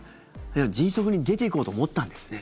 迅速に出ていこうと思ったんですね。